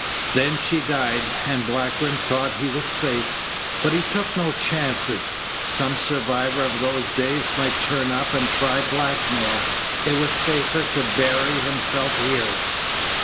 Then she died, and Blackburn thought he was safe. But he took no chances. Some survivor of those days might turn up and try blackmail. It was safer to bury himself here."